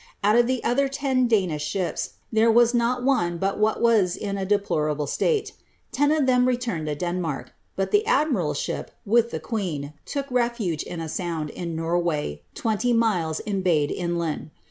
Out of the other ten Danish ships, there was not one but what was in a deplorable state. Ten of them returned to Denmark ; but the admiral^s ship, with the queen, took refuge in a sound, in Nor way, twenty miles embayed in laud.